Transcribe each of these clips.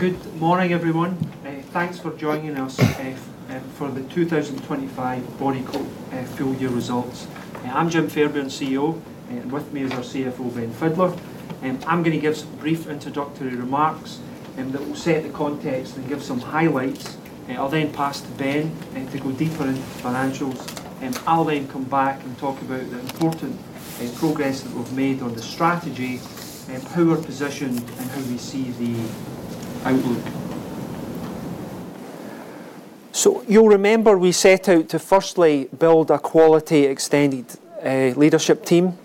Good morning, everyone. Thanks for joining us for the 2025 Bodycote full year results. I'm Jim Fairbairn, CEO, and with me is our CFO, Ben Fidler. I'm gonna give some brief introductory remarks that will set the context and give some highlights. I'll then pass to Ben to go deeper into financials. I'll then come back and talk about the important progress that we've made on the strategy, how we're positioned, and how we see the outlook. You'll remember we set out to firstly build a quality extended leadership team.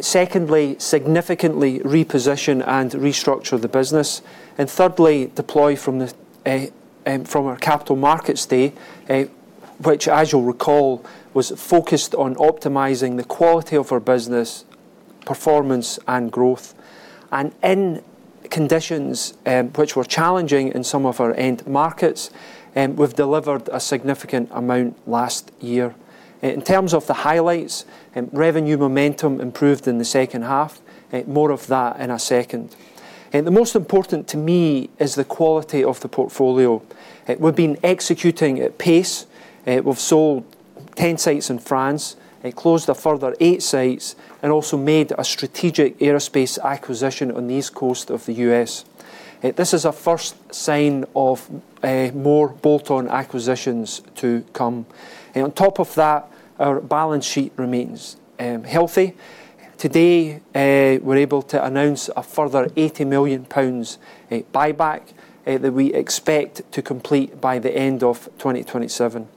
Secondly, significantly reposition and restructure the business. Thirdly, deploy from our capital markets day, which, as you'll recall, was focused on optimizing the quality of our business, performance and growth. In conditions which were challenging in some of our end markets, we've delivered a significant amount last year. In terms of the highlights, revenue momentum improved in the second half. More of that in a second. The most important to me is the quality of the portfolio. We've been executing at pace. We've sold 10 sites in France, closed a further 8 sites, and also made a strategic aerospace acquisition on the East Coast of the U.S. This is a first sign of more bolt-on acquisitions to come. On top of that, our balance sheet remains healthy. Today, we're able to announce a further 80 million pounds buyback that we expect to complete by the end of 2027.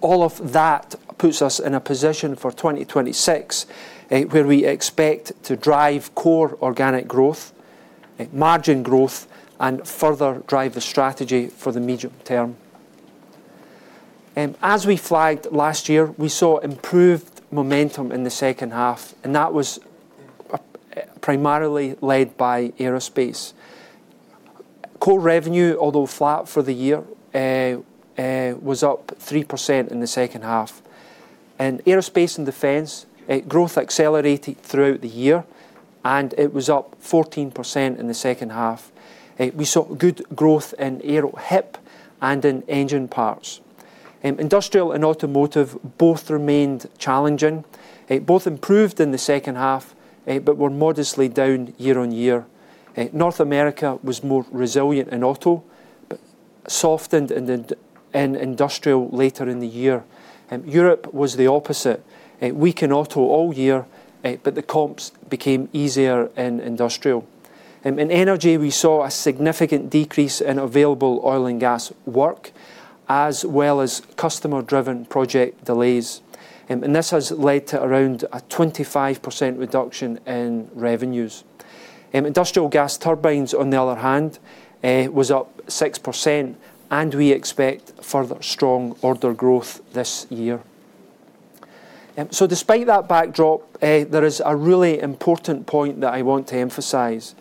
All of that puts us in a position for 2026, where we expect to drive core organic growth, margin growth, and further drive the strategy for the medium term. As we flagged last year, we saw improved momentum in the second half, and that was primarily led by aerospace. Core revenue, although flat for the year, was up 3% in the second half. In Aerospace & Defense, growth accelerated throughout the year, and it was up 14% in the second half. We saw good growth in aero HIP and in engine parts. Industrial and automotive both remained challenging. Both improved in the second half, but were modestly down year-on-year. North America was more resilient in auto, but softened in industrial later in the year. Europe was the opposite. Weak in auto all year, but the comps became easier in industrial. In energy, we saw a significant decrease in available oil and gas work, as well as customer-driven project delays. This has led to around a 25% reduction in revenues. Industrial gas turbines, on the other hand, was up 6%, and we expect further strong order growth this year. Despite that backdrop, there is a really important point that I want to emphasize.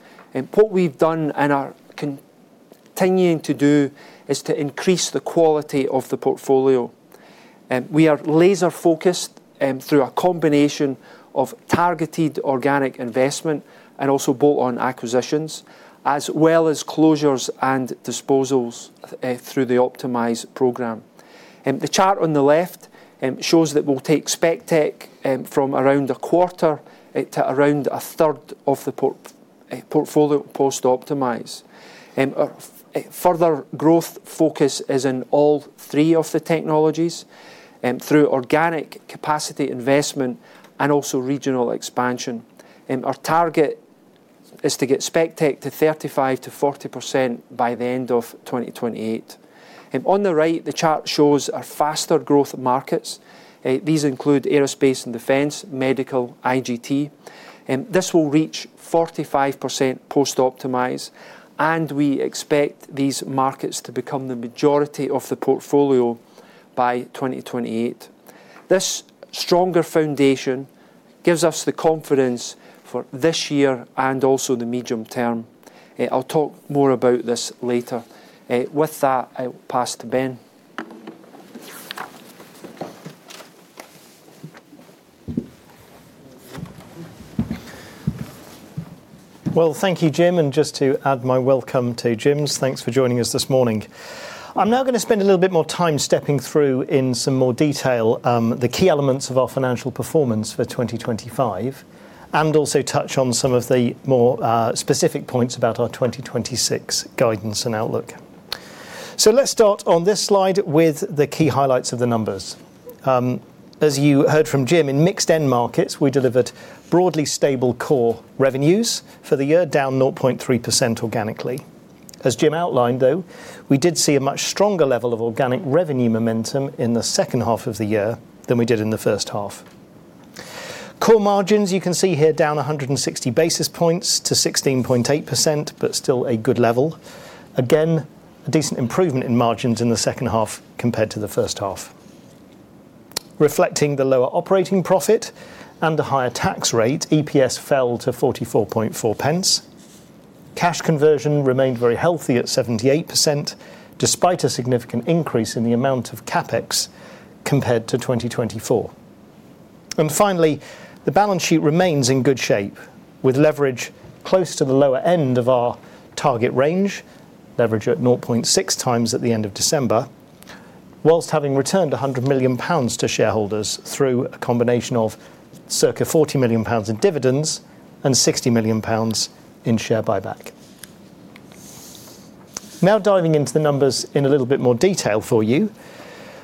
What we've done and are continuing to do is to increase the quality of the portfolio. We are laser-focused, through a combination of targeted organic investment and also bolt-on acquisitions, as well as closures and disposals, through the Optimise programme. The chart on the left shows that we'll take Specialist Technologies from around a quarter to around 1/3 of the portfolio post-Optimise. Our further growth focus is in all three of the technologies through organic capacity investment and also regional expansion. Our target is to get Specialist Technologies to 35%-40% by the end of 2028. On the right, the chart shows our faster growth markets. These include Aerospace & Defense, medical, IGT. This will reach 45% post-Optimise, and we expect these markets to become the majority of the portfolio by 2028. This stronger foundation gives us the confidence for this year and also the medium term. I'll talk more about this later. With that, I'll pass to Ben. Well, thank you, Jim, and just to add my welcome to Jim's. Thanks for joining us this morning. I'm now gonna spend a little bit more time stepping through in some more detail the key elements of our financial performance for 2025, and also touch on some of the more specific points about our 2026 guidance and outlook. Let's start on this slide with the key highlights of the numbers. As you heard from Jim, in mixed end markets, we delivered broadly stable core revenues for the year down 0.3% organically. As Jim outlined, though, we did see a much stronger level of organic revenue momentum in the second half of the year than we did in the first half. Core margins, you can see here, down 160 basis points to 16.8%, but still a good level. Again, a decent improvement in margins in the second half compared to the first half. Reflecting the lower operating profit and the higher tax rate, EPS fell to 0.444. Cash conversion remained very healthy at 78%, despite a significant increase in the amount of CapEx compared to 2024. Finally, the balance sheet remains in good shape with leverage close to the lower end of our target range. Leverage at 0.6x at the end of December, whilst having returned 100 million pounds to shareholders through a combination of circa 40 million pounds in dividends and 60 million pounds in share buyback. Now diving into the numbers in a little bit more detail for you.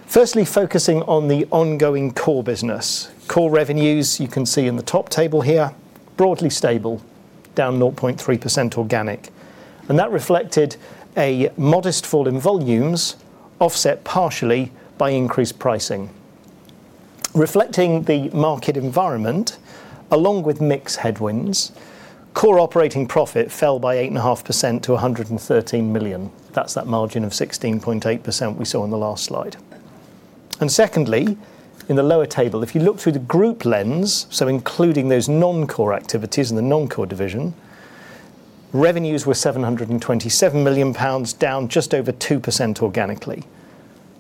Firstly, focusing on the ongoing core business. Core revenues, you can see in the top table here, broadly stable, down 0.3% organic. That reflected a modest fall in volumes, offset partially by increased pricing. Reflecting the market environment, along with mix headwinds, core operating profit fell by 8.5% to 113 million. That's that margin of 16.8% we saw in the last slide. Secondly, in the lower table, if you look through the group lens, so including those non-core activities in the non-core division, revenues were 727 million pounds, down just over 2% organically.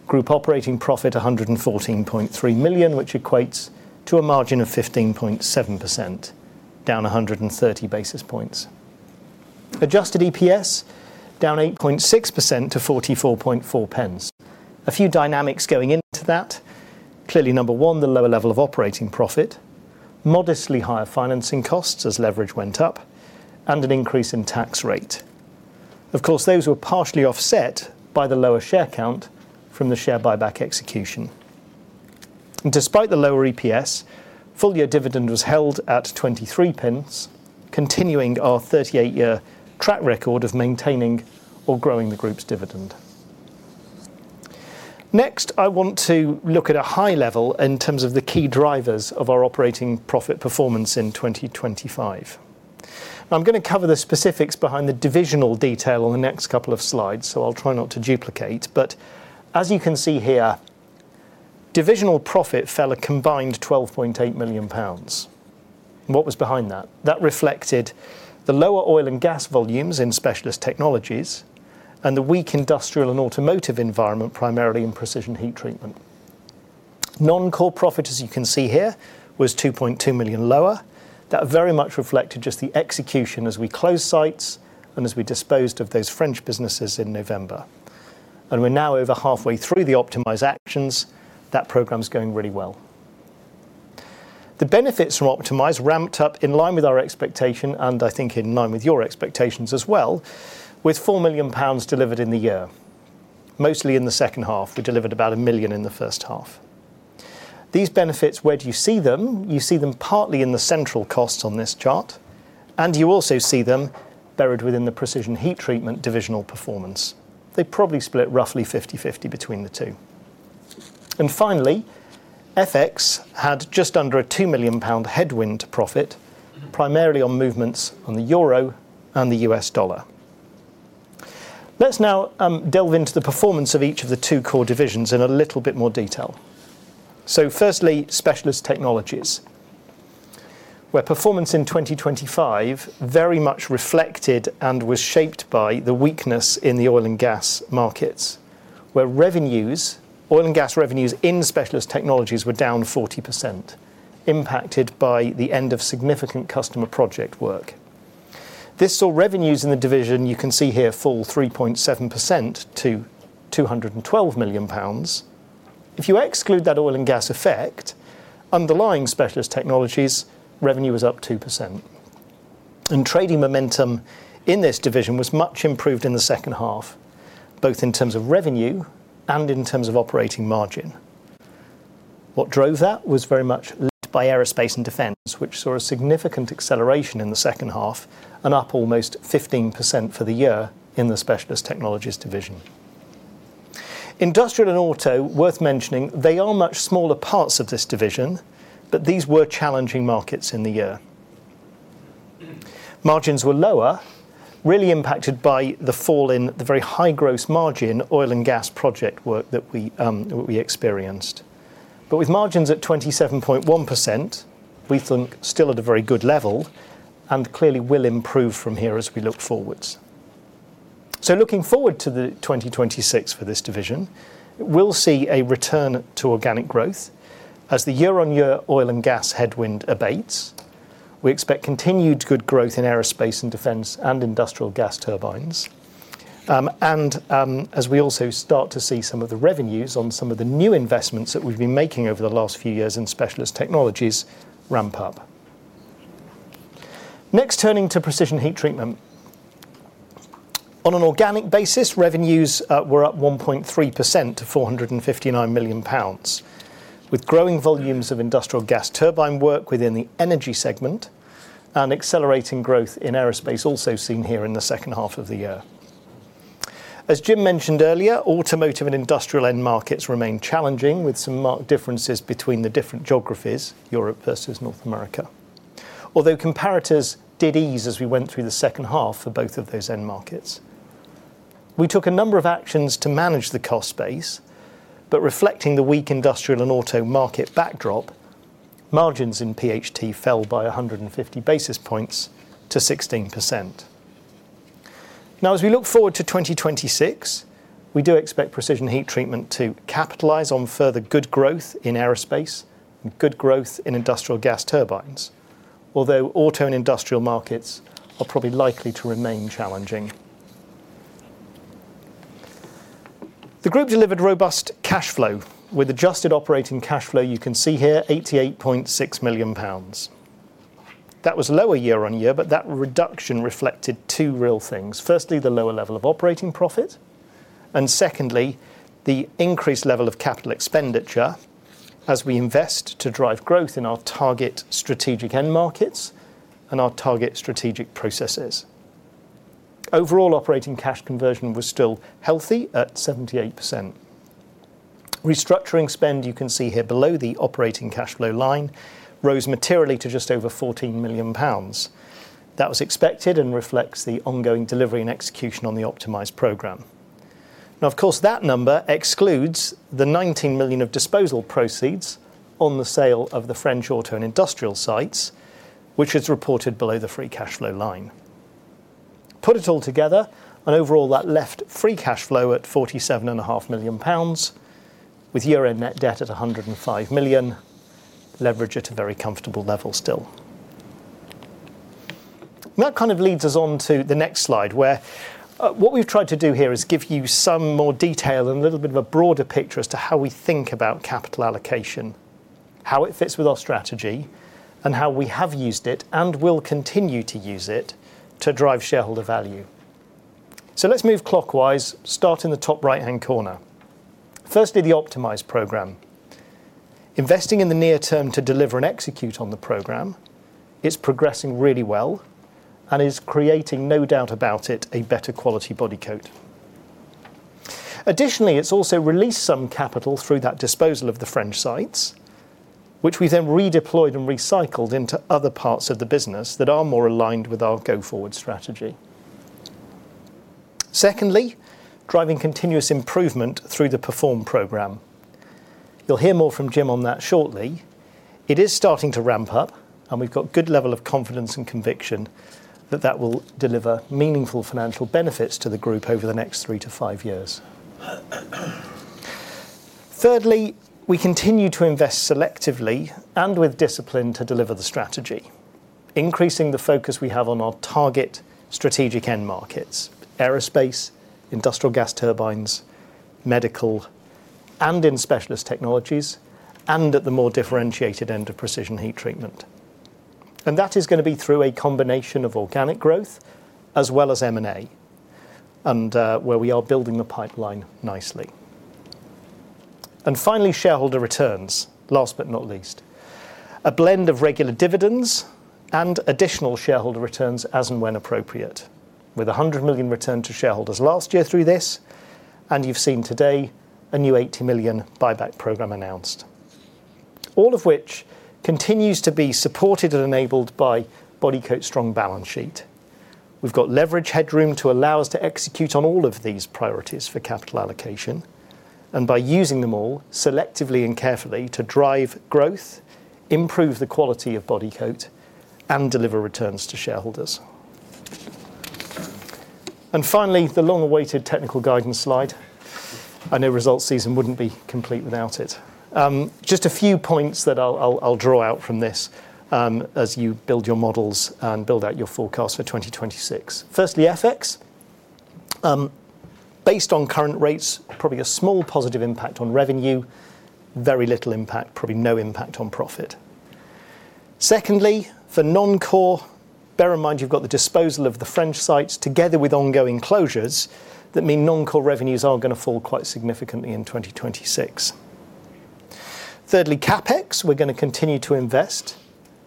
Group operating profit, 114.3 million, which equates to a margin of 15.7%, down 130 basis points. Adjusted EPS down 8.6% to 0.444. A few dynamics going into that. Clearly, number one, the lower level of operating profit, modestly higher financing costs as leverage went up, and an increase in tax rate. Of course, those were partially offset by the lower share count from the share buyback execution. Despite the lower EPS, full-year dividend was held at 0.23, continuing our 38-year track record of maintaining or growing the group's dividend. Next, I want to look at a high-level in terms of the key drivers of our operating profit performance in 2025. Now I'm gonna cover the specifics behind the divisional detail on the next couple of slides, so I'll try not to duplicate. As you can see here, divisional profit fell a combined 12.8 million pounds. What was behind that? That reflected the lower oil and gas volumes in specialist technologies and the weak industrial and automotive environment, primarily in precision heat treatment. Non-core profit, as you can see here, was 2.2 million lower. That very much reflected just the execution as we closed sites and as we disposed of those French businesses in November. We're now over halfway through the Optimise actions. That program is going really well. The benefits from Optimise ramped up in line with our expectation, and I think in line with your expectations as well, with 4 million pounds delivered in the year. Mostly in the second half, we delivered about 1 million in the first half. These benefits, where do you see them? You see them partly in the central costs on this chart, and you also see them buried within the precision heat treatment divisional performance. They probably split roughly 50/50 between the two. Finally, FX had just under a 2 million pound headwind profit, primarily on movements on the euro and the US dollar. Let's now delve into the performance of each of the two core divisions in a little bit more detail. Firstly, Specialist Technologies, where performance in 2025 very much reflected and was shaped by the weakness in the oil and gas markets, where revenues, oil and gas revenues in Specialist Technologies were down 40%, impacted by the end of significant customer project work. This saw revenues in the division, you can see here, fall 3.7% to 212 million pounds. If you exclude that oil and gas effect, underlying Specialist Technologies revenue is up 2%. Trading momentum in this division was much improved in the second half, both in terms of revenue and in terms of operating margin. What drove that was very much led by Aerospace & Defense, which saw a significant acceleration in the second half and up almost 15% for the year in the Specialist Technologies division. Industrial and auto, worth mentioning, they are much smaller parts of this division, but these were challenging markets in the year. Margins were lower, really impacted by the fall in the very high gross margin oil and gas project work that we experienced. With margins at 27.1%, we think still at a very good level and clearly will improve from here as we look forward. Looking forward to 2026 for this division, we'll see a return to organic growth. As the year-on-year oil and gas headwind abates, we expect continued good growth in Aerospace & Defense and industrial gas turbines, and as we also start to see some of the revenues on some of the new investments that we've been making over the last few years in Specialist Technologies ramp up. Next, turning to precision heat treatment. On an organic basis, revenues were up 1.3% to 459 million pounds, with growing volumes of industrial gas turbine work within the energy segment and accelerating growth in aerospace, also seen here in the second half of the year. As Jim mentioned earlier, automotive and industrial end markets remain challenging, with some marked differences between the different geographies, Europe versus North America. Although comparators did ease as we went through the second half for both of those end markets. We took a number of actions to manage the cost base, but reflecting the weak industrial and auto market backdrop, margins in PHT fell by 150 basis points to 16%. Now, as we look forward to 2026, we do expect precision heat treatment to capitalize on further good growth in aerospace and good growth in industrial gas turbines. Although auto and industrial markets are probably likely to remain challenging. The group delivered robust cash flow with adjusted operating cash flow, you can see here 88.6 million pounds. That was lower year-on-year, but that reduction reflected two real things. Firstly, the lower level of operating profit, and secondly, the increased level of capital expenditure as we invest to drive growth in our target strategic end markets and our target strategic processes. Overall operating cash conversion was still healthy at 78%. Restructuring spend, you can see here below the operating cash flow line, rose materially to just over 14 million pounds. That was expected and reflects the ongoing delivery and execution on the Optimise programme. Now, of course, that number excludes the 19 million of disposal proceeds on the sale of the French auto and industrial sites, which is reported below the free cash flow line. Put it all together and overall that left free cash flow at 47.5 million pounds, with year-end net debt at 105 million, leverage at a very comfortable level still. That kind of leads us on to the next slide, where what we've tried to do here is give you some more detail and a little bit of a broader picture as to how we think about capital allocation, how it fits with our strategy, and how we have used it and will continue to use it to drive shareholder value. Let's move clockwise, starting at the top right-hand corner. Firstly, the Optimise programme. Investing in the near term to deliver and execute on the program is progressing really well and is creating, no doubt about it, a better quality Bodycote. Additionally, it's also released some capital through that disposal of the French sites, which we then redeployed and recycled into other parts of the business that are more aligned with our go-forward strategy. Secondly, driving continuous improvement through the Perform program. You'll hear more from Jim on that shortly. It is starting to ramp up, and we've got good level of confidence and conviction that that will deliver meaningful financial benefits to the group over the next three to five years. Thirdly, we continue to invest selectively and with discipline to deliver the strategy, increasing the focus we have on our target strategic end markets, aerospace, industrial gas turbines, medical, and in specialist technologies, and at the more differentiated end of precision heat treatment. That is gonna be through a combination of organic growth as well as M&A, and where we are building the pipeline nicely. Finally, shareholder returns. Last but not least. A blend of regular dividends and additional shareholder returns as and when appropriate with a 100 million return to shareholders last year through this, and you've seen today a new 80 million buyback program announced. All of which continues to be supported and enabled by Bodycote's strong balance sheet. We've got leverage headroom to allow us to execute on all of these priorities for capital allocation and by using them all selectively and carefully to drive growth, improve the quality of Bodycote, and deliver returns to shareholders. Finally, the long-awaited technical guidance slide. I know results season wouldn't be complete without it. Just a few points that I'll draw out from this, as you build your models and build out your forecast for 2026. Firstly, FX. Based on current rates, probably a small positive impact on revenue, very little impact, probably no impact on profit. Secondly, for non-core, bear in mind you've got the disposal of the French sites together with ongoing closures that mean non-core revenues are gonna fall quite significantly in 2026. Thirdly, CapEx, we're gonna continue to invest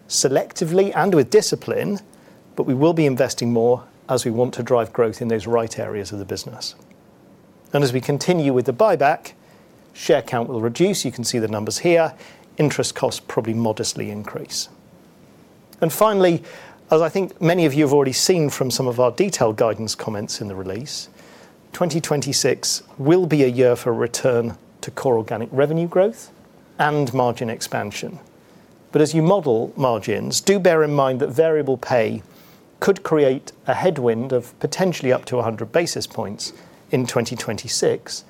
selectively and with discipline, but we will be investing more as we want to drive growth in those right areas of the business. As we continue with the buyback, share count will reduce. You can see the numbers here. Interest costs probably modestly increase. Finally, as I think many of you have already seen from some of our detailed guidance comments in the release, 2026 will be a year for return to core organic revenue growth and margin expansion. As you model margins, do bear in mind that variable pay could create a headwind of potentially up to 100 basis points in 2026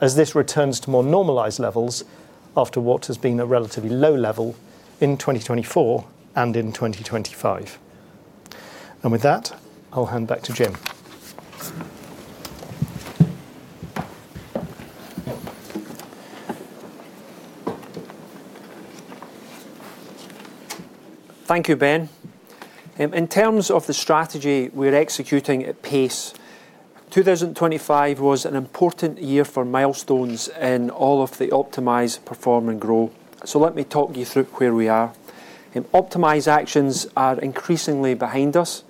as this returns to more normalized levels after what has been a relatively low level in 2024 and in 2025. With that, I'll hand back to Jim. Thank you, Ben. In terms of the strategy we're executing at pace, 2025 was an important year for milestones in all of the Optimise, Perform, and Grow. Let me talk you through where we are. Optimise actions are increasingly behind us.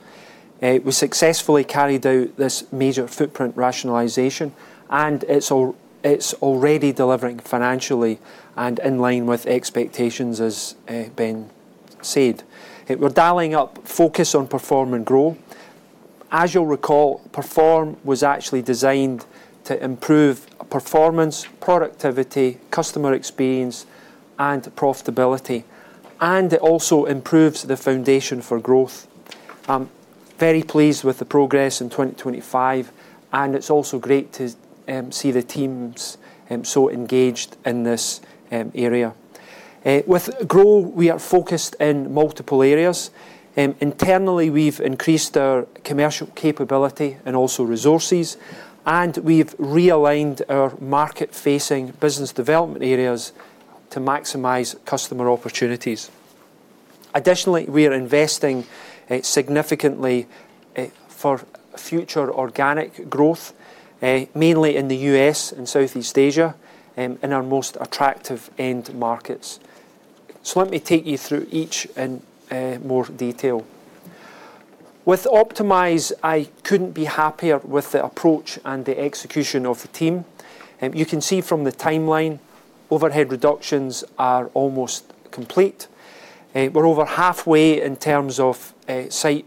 We successfully carried out this major footprint rationalization, and it's already delivering financially and in line with expectations as Ben said. We're dialing up focus on Perform and Grow. As you'll recall, Perform was actually designed to improve performance, productivity, customer experience, and profitability, and it also improves the foundation for growth. I'm very pleased with the progress in 2025, and it's also great to see the teams so engaged in this area. With Grow, we are focused in multiple areas. Internally, we've increased our commercial capability and also resources, and we've realigned our market-facing business development areas to maximize customer opportunities. Additionally, we are investing significantly for future organic growth mainly in the U.S. and Southeast Asia in our most attractive end markets. Let me take you through each in more detail. With Optimise, I couldn't be happier with the approach and the execution of the team. You can see from the timeline, overhead reductions are almost complete. We're over halfway in terms of site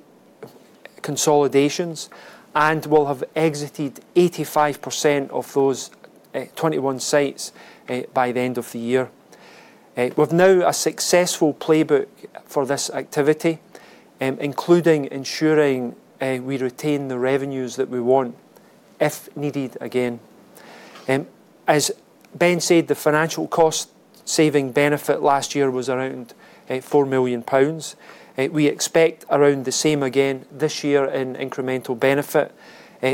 consolidations, and we'll have exited 85% of those 21 sites by the end of the year. We've now a successful playbook for this activity including ensuring we retain the revenues that we want if needed again. As Ben said, the financial cost-saving benefit last year was around 4 million pounds. We expect around the same again this year in incremental benefit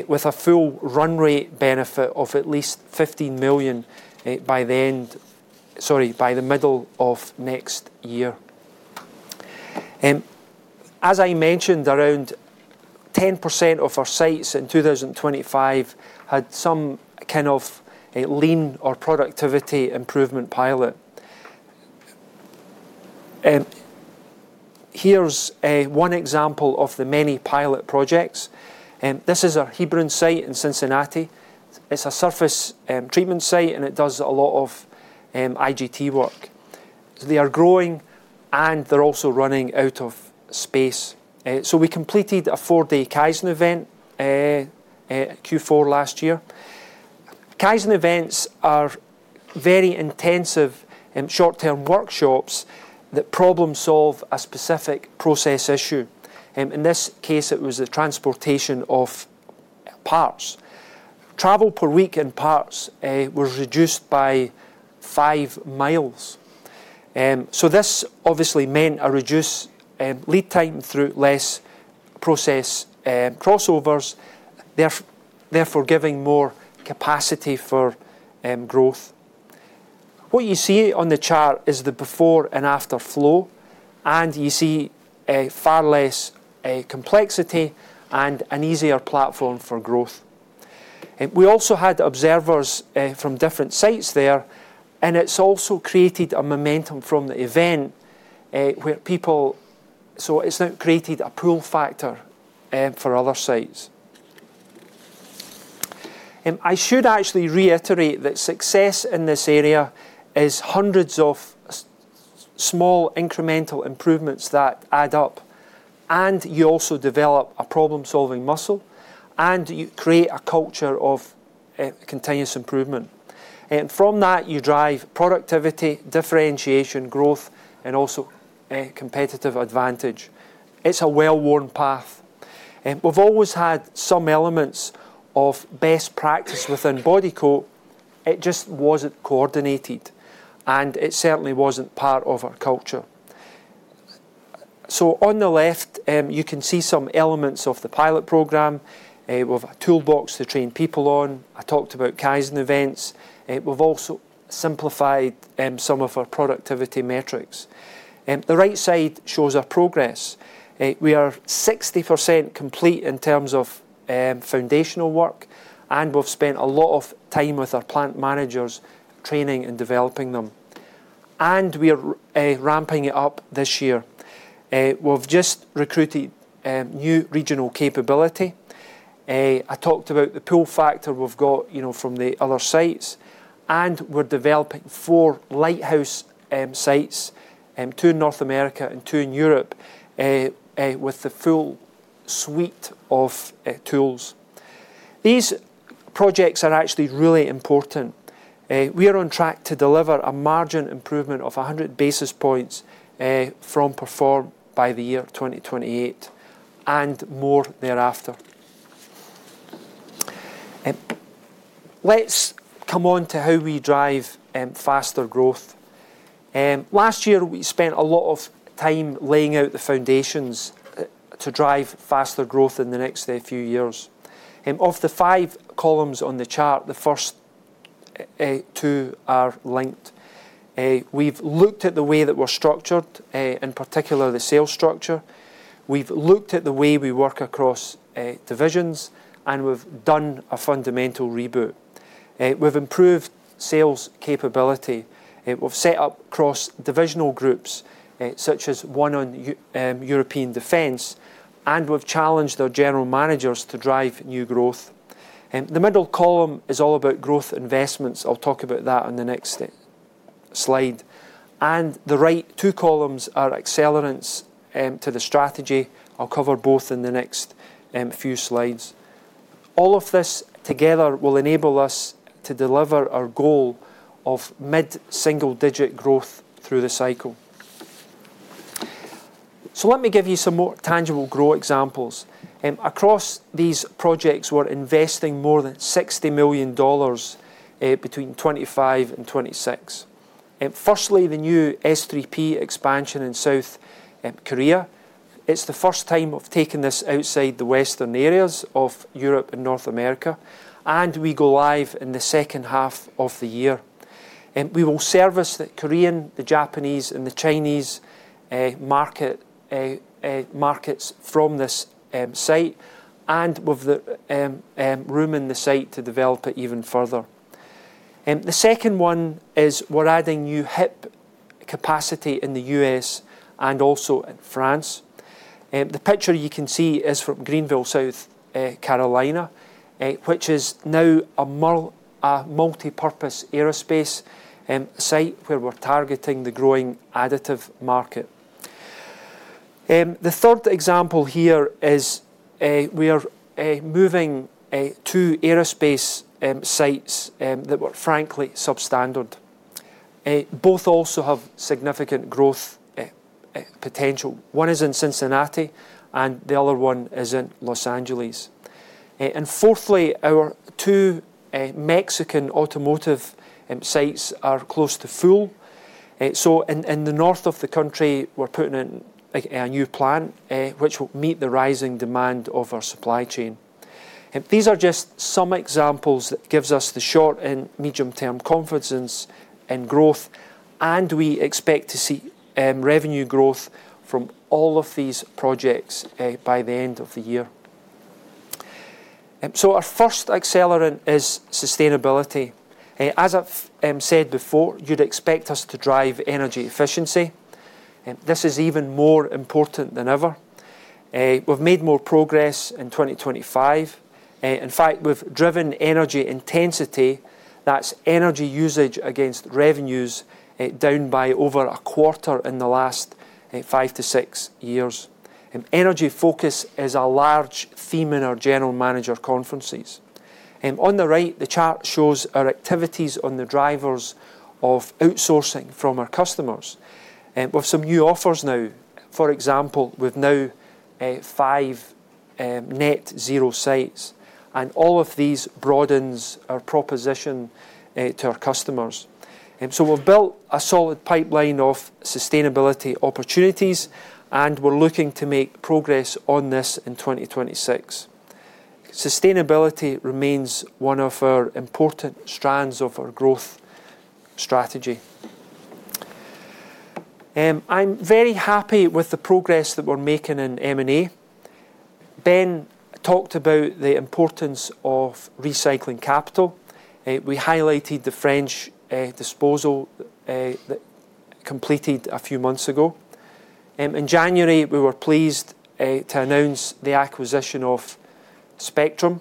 with a full run rate benefit of at least 15 million by the middle of next year. As I mentioned, around 10% of our sites in 2025 had some kind of a lean or productivity improvement pilot. Here's one example of the many pilot projects. This is our Hebron site in Cincinnati. It's a surface treatment site, and it does a lot of IGT work. They are growing, and they're also running out of space. We completed a four-day Kaizen event Q4 last year. Kaizen events are very intensive in short-term workshops that problem solve a specific process issue. In this case, it was the transportation of parts. Travel per week in parts was reduced by 5 mi. This obviously meant a reduced lead time through less process crossovers, therefore giving more capacity for growth. What you see on the chart is the before and after flow, and you see a far less complexity and an easier platform for growth. We also had observers from different sites there, and it's also created a momentum from the event. It's now created a pull factor for other sites. I should actually reiterate that success in this area is hundreds of small incremental improvements that add up, and you also develop a problem-solving muscle, and you create a culture of continuous improvement. From that, you drive productivity, differentiation, growth, and also a competitive advantage. It's a well-worn path. We've always had some elements of best practice within Bodycote. It just wasn't coordinated, and it certainly wasn't part of our culture. On the left, you can see some elements of the pilot program. We've a toolbox to train people on. I talked about Kaizen events. We've also simplified some of our productivity metrics. The right side shows our progress. We are 60% complete in terms of foundational work, and we've spent a lot of time with our plant managers training and developing them. We are ramping it up this year. We've just recruited new regional capability. I talked about the pull factor we've got, you know, from the other sites, and we're developing four lighthouse sites, two in North America and two in Europe, with the full suite of tools. These projects are actually really important. We are on track to deliver a margin improvement of 100 basis points from Perform by the year 2028 and more thereafter. Let's come on to how we drive faster growth. Last year, we spent a lot of time laying out the foundations to drive faster growth in the next few years. Of the five columns on the chart, the first two are linked. We've looked at the way that we're structured, in particular the sales structure. We've looked at the way we work across divisions, and we've done a fundamental reboot. We've improved sales capability. We've set up cross-divisional groups, such as one on European defense, and we've challenged our general managers to drive new growth. The middle column is all about growth investments. I'll talk about that on the next slide. The right two columns are accelerants to the strategy. I'll cover both in the next few slides. All of this together will enable us to deliver our goal of mid-single digit growth through the cycle. Let me give you some more tangible growth examples. Across these projects, we're investing more than $60 million between 2025 and 2026. Firstly, the new S3P expansion in South Korea. It's the first time we've taken this outside the Western areas of Europe and North America, and we go live in the second half of the year. We will service the Korean, the Japanese, and the Chinese markets from this site and with the room in the site to develop it even further. The second one is we're adding new HIP capacity in the U.S. and also in France. The picture you can see is from Greenville, South Carolina, which is now a multipurpose aerospace site where we're targeting the growing additive market. The third example here is we are moving two aerospace sites that were frankly substandard. Both also have significant growth potential. One is in Cincinnati, and the other one is in Los Angeles. Fourthly, our two Mexican automotive sites are close to full. In the north of the country, we're putting in, like, a new plant which will meet the rising demand of our supply chain. These are just some examples that gives us the short and medium-term confidence in growth, and we expect to see revenue growth from all of these projects by the end of the year. Our first accelerant is sustainability. As I've said before, you'd expect us to drive energy efficiency. This is even more important than ever. We've made more progress in 2025. In fact, we've driven energy intensity, that's energy usage against revenues, down by over a quarter in the last five to six years. Energy focus is a large theme in our general manager conferences. On the right, the chart shows our activities on the drivers of outsourcing from our customers. We have some new offers now. For example, we've now five net zero sites, and all of these broadens our proposition to our customers. We've built a solid pipeline of sustainability opportunities, and we're looking to make progress on this in 2026. Sustainability remains one of our important strands of our growth strategy. I'm very happy with the progress that we're making in M&A. Ben talked about the importance of recycling capital. We highlighted the French disposal that completed a few months ago. In January, we were pleased to announce the acquisition of Spectrum.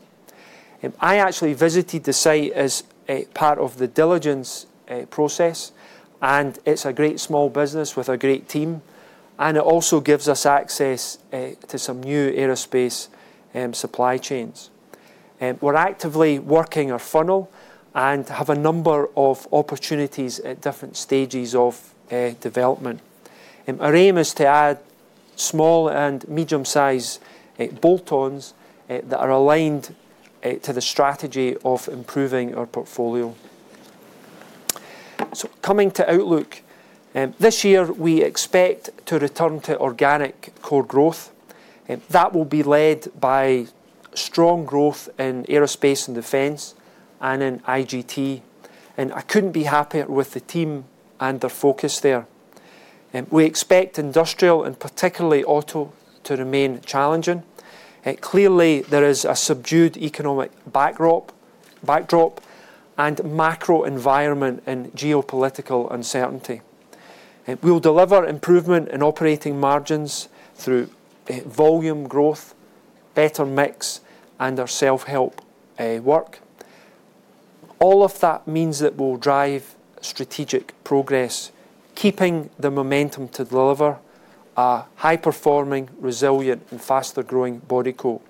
I actually visited the site as a part of the diligence process, and it's a great small business with a great team, and it also gives us access to some new aerospace supply chains. We're actively working our funnel and have a number of opportunities at different stages of development. Our aim is to add small and medium-sized bolt-ons that are aligned to the strategy of improving our portfolio. Coming to outlook. This year, we expect to return to organic core growth. That will be led by strong growth in Aerospace & Defense and in IGT. I couldn't be happier with the team and their focus there. We expect industrial and particularly auto to remain challenging. Clearly, there is a subdued economic backdrop and macro environment in geopolitical uncertainty. We'll deliver improvement in operating margins through volume growth, better mix, and our self-help work. All of that means that we'll drive strategic progress, keeping the momentum to deliver a high-performing, resilient, and faster-growing Bodycote.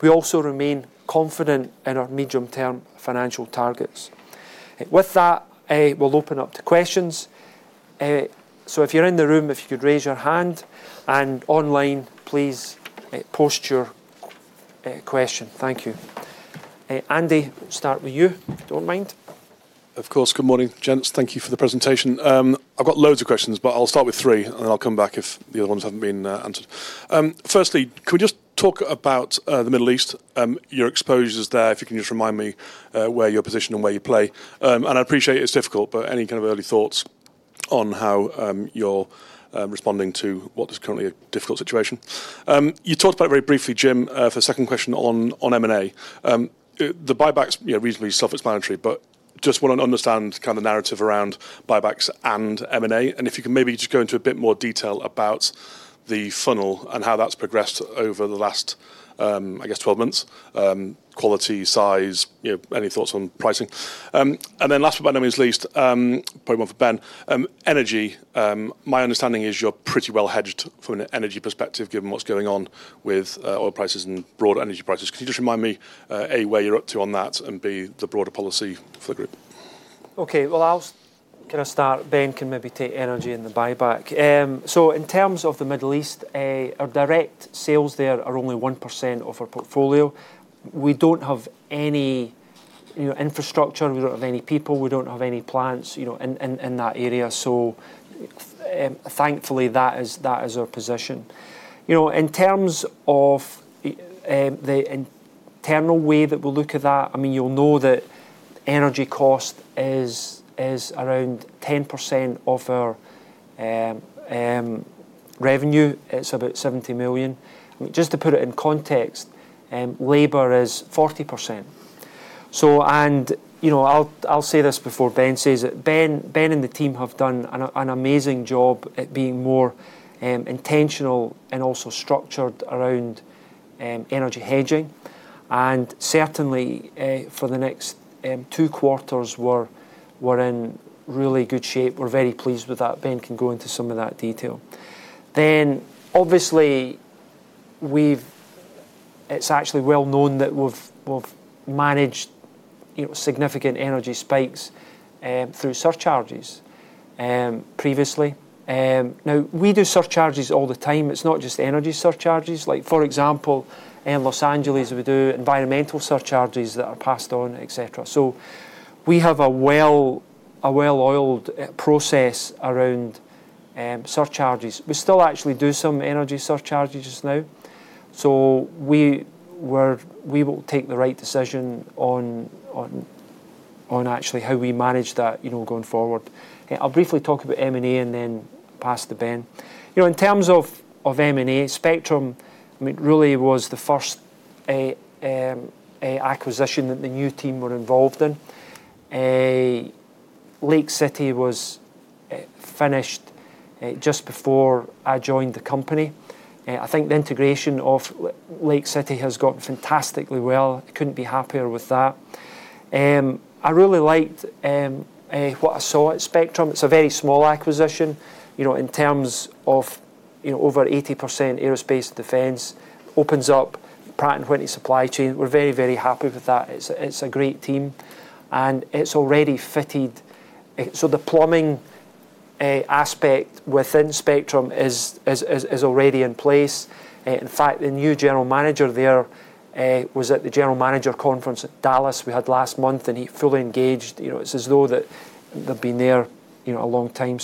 We also remain confident in our medium-term financial targets. With that, we'll open up to questions. If you're in the room, if you could raise your hand, and online, please post your question. Thank you. Andy, we'll start with you, if you don't mind. Of course. Good morning, gents. Thank you for the presentation. I've got loads of questions, but I'll start with three, and then I'll come back if the other ones haven't been answered. Firstly, could we just talk about the Middle East, your exposures there, if you can just remind me where you're positioned and where you play? I appreciate it's difficult, but any kind of early thoughts on how you're responding to what is currently a difficult situation? You talked about very briefly, Jim, for the second question on M&A. The buybacks, you know, are reasonably self-explanatory, but just wanna understand kind of the narrative around buybacks and M&A. If you can maybe just go into a bit more detail about the funnel and how that's progressed over the last, I guess, 12 months, quality, size, you know, any thoughts on pricing. And then last but not least, probably one for Ben. Energy, my understanding is you're pretty well hedged from an energy perspective given what's going on with oil prices and broader energy prices. Can you just remind me, A, where you're up to on that, and B, the broader policy for the group? Well, I'll kinda start, Ben can maybe take energy and the buyback. In terms of the Middle East, our direct sales there are only 1% of our portfolio. We don't have any, you know, infrastructure. We don't have any people. We don't have any plants, you know, in that area. Thankfully, that is our position. You know, in terms of the internal way that we'll look at that, I mean, you'll know that energy cost is around 10% of our revenue. It's about 70 million. Just to put it in context, labor is 40%. You know, I'll say this before Ben says it. Ben and the team have done an amazing job at being more intentional and also structured around energy hedging. Certainly, for the next two quarters, we're in really good shape. We're very pleased with that. Ben can go into some of that detail. Then, obviously, it's actually well known that we've managed, you know, significant energy spikes through surcharges previously. Now, we do surcharges all the time. It's not just energy surcharges. Like, for example, in Los Angeles, we do environmental surcharges that are passed on, et cetera. So we have a well-oiled process around surcharges. We still actually do some energy surcharges now. So we will take the right decision on actually how we manage that, you know, going forward. I'll briefly talk about M&A, and then pass to Ben. You know, in terms of M&A, Spectrum, I mean, really was the first acquisition that the new team were involved in. Lake City was finished just before I joined the company. I think the integration of Lake City has gone fantastically well. Couldn't be happier with that. I really liked what I saw at Spectrum. It's a very small acquisition. You know, in terms of, you know, over 80% aerospace defense opens up Pratt & Whitney supply chain. We're very happy with that. It's a great team, and it's already fitted. So the plumbing aspect within Spectrum is already in place. In fact, the new general manager there was at the general manager conference at Dallas we had last month, and he fully engaged. You know, it's as though that they've been there, you know, a long time.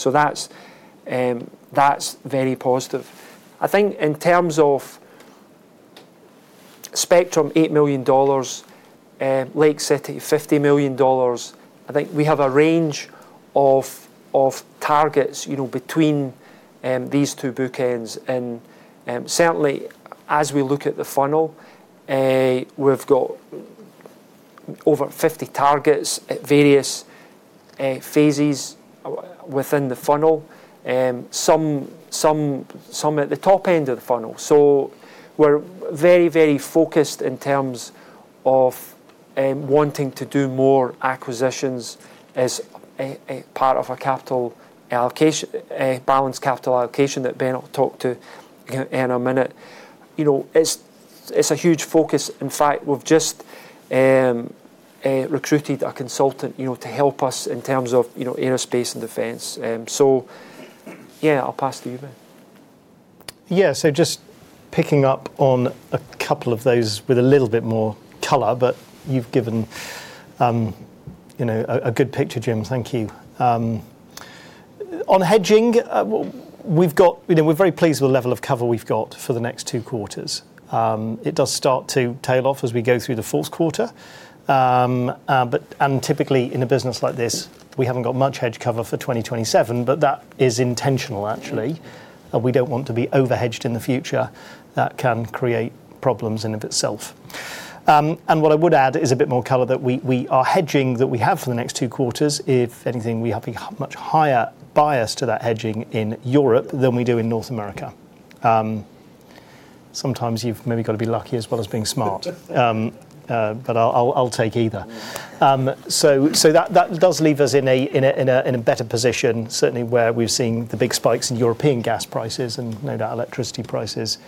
That's very positive. I think in terms of Spectrum, $8 million, Lake City, $50 million, I think we have a range of targets, you know, between these two bookends. Certainly as we look at the funnel, we've got over 50 targets at various phases within the funnel. Some at the top end of the funnel. We're very focused in terms of wanting to do more acquisitions as a part of our balanced capital allocation that Ben will talk to in a minute. You know, it's a huge focus. In fact, we've just recruited a consultant, you know, to help us in terms of Aerospace & Defense. Yeah, I'll pass to you, Ben. Just picking up on a couple of those with a little bit more color, but you've given you know a good picture, Jim. Thank you. On hedging, you know, we're very pleased with the level of cover we've got for the next two quarters. It does start to tail off as we go through the fourth quarter. Typically, in a business like this, we haven't got much hedge cover for 2027, but that is intentional actually. We don't want to be over-hedged in the future. That can create problems in and of itself. What I would add is a bit more color on the hedging that we have for the next two quarters. If anything, we have a much higher bias to that hedging in Europe than we do in North America. Sometimes you've maybe got to be lucky as well as being smart. I'll take either. That does leave us in a better position, certainly where we're seeing the big spikes in European gas prices and no doubt electricity prices.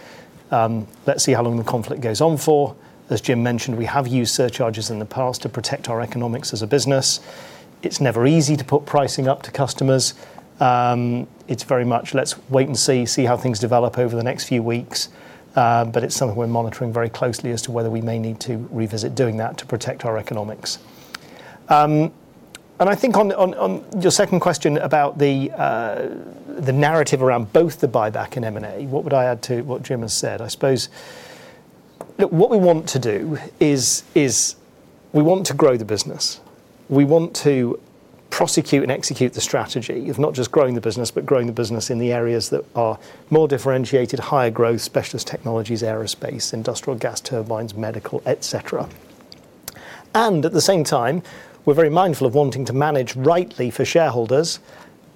Let's see how long the conflict goes on for. As Jim mentioned, we have used surcharges in the past to protect our economics as a business. It's never easy to put pricing up to customers. It's very much let's wait and see how things develop over the next few weeks. It's something we're monitoring very closely as to whether we may need to revisit doing that to protect our economics. I think on your second question about the narrative around both the buyback and M&A, what would I add to what Jim has said? Look, what we want to do is we want to grow the business. We want to prosecute and execute the strategy of not just growing the business, but growing the business in the areas that are more differentiated, higher growth, specialist technologies, aerospace, industrial gas turbines, medical, et cetera. At the same time, we're very mindful of wanting to manage rightly for shareholders,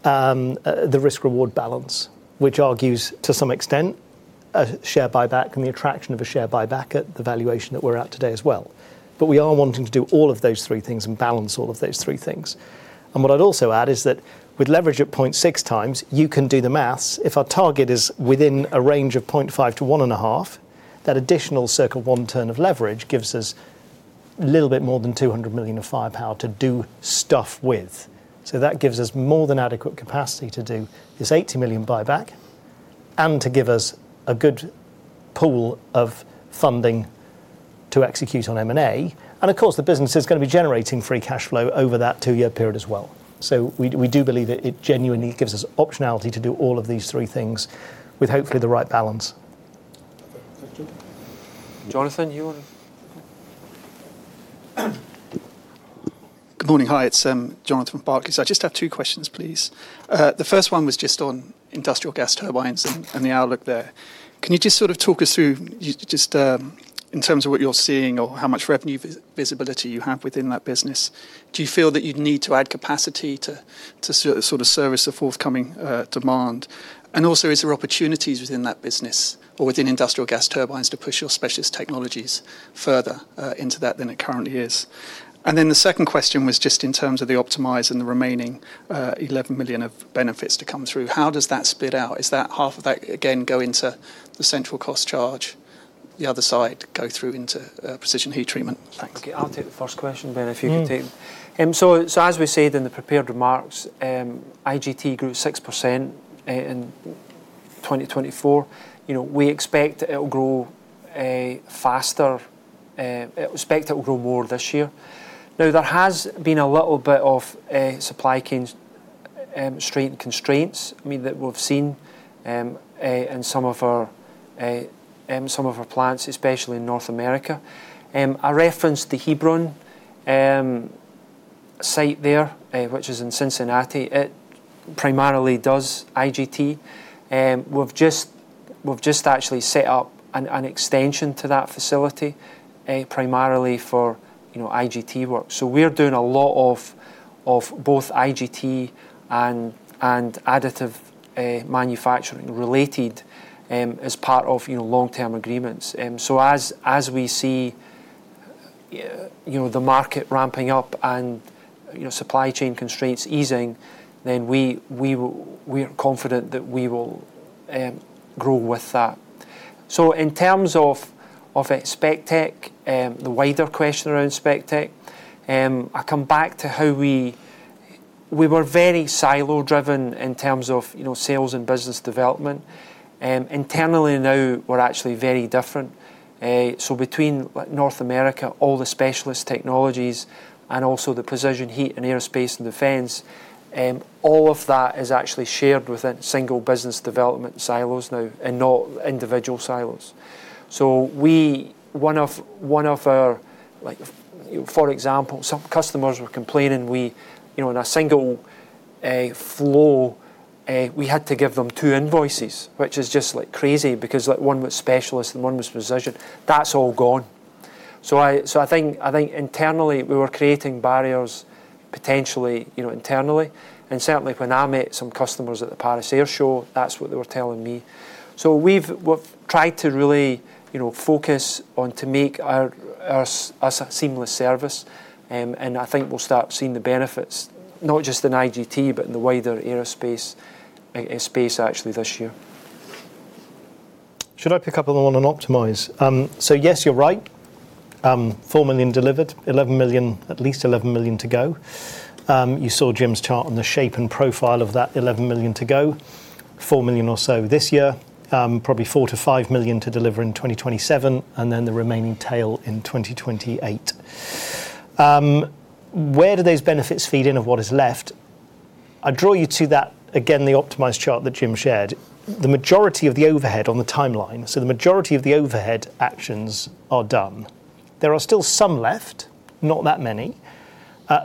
the risk/reward balance, which argues to some extent a share buyback and the attraction of a share buyback at the valuation that we're at today as well. We are wanting to do all of those three things and balance all of those three things. What I'd also add is that with leverage at 0.6x, you can do the math. If our target is within a range of 0.5x-1.5x, that additional circa one turn of leverage gives us a little bit more than 200 million of firepower to do stuff with. That gives us more than adequate capacity to do this 80 million buyback and to give us a good pool of funding to execute on M&A. Of course, the business is gonna be generating free cash flow over that two-year period as well. We do believe it genuinely gives us optionality to do all of these three things with hopefully the right balance. Jonathan, you wanna? Good morning. Hi, it's Jonathan Barki. I just have two questions, please. The first one was just on industrial gas turbines and the outlook there. Can you just sort of talk us through just in terms of what you're seeing or how much revenue visibility you have within that business? Do you feel that you'd need to add capacity to sort of service the forthcoming demand? And also, is there opportunities within that business or within industrial gas turbines to push your Specialist Technologies further into that than it currently is? And then the second question was just in terms of the Optimise and the remaining 11 million of benefits to come through. How does that spit out? Is that half of that again go into the central cost charge, the other side go through into precision heat treatment? Thanks. Okay, I'll take the first question, Ben, if you can take. As we said in the prepared remarks, IGT grew 6% in 2024. You know, we expect it'll grow faster. We expect it will grow more this year. Now, there has been a little bit of supply chain constraints, I mean, that we've seen in some of our plants, especially in North America. I referenced the Hebron site there, which is in Cincinnati. It primarily does IGT. We've just actually set up an extension to that facility, primarily for, you know, IGT work. We're doing a lot of both IGT and additive manufacturing related as part of, you know, long-term agreements. As we see, you know, the market ramping up and, you know, supply chain constraints easing, then we're confident that we will grow with that. In terms of Spectech, the wider question around Spectech, I come back to how we were very silo-driven in terms of, you know, sales and business development. Internally now, we're actually very different. Between like North America, all the specialist technologies and also the precision heat and Aerospace & Defense, all of that is actually shared within single business development silos now and not individual silos. One of our, like, for example, some customers were complaining we, you know, in a single flow, we had to give them two invoices, which is just like crazy because like one was specialist and one was precision. That's all gone. I think internally, we were creating barriers potentially, you know, internally. Certainly when I met some customers at the Paris Air Show, that's what they were telling me. We've tried to really, you know, focus on to make our seamless service. I think we'll start seeing the benefits not just in IGT, but in the wider aerospace space actually this year. Should I pick up the one on Optimise? Yes, you're right. 4 million delivered, 11 million, at least 11 million to go. You saw Jim's chart on the shape and profile of that 11 million to go. 4 million or so this year, probably 4 million-5 million to deliver in 2027, and then the remaining tail in 2028. Where do those benefits feed in of what is left? I draw you to that, again, the Optimise chart that Jim shared. The majority of the overhead on the timeline, so the majority of the overhead actions are done. There are still some left, not that many.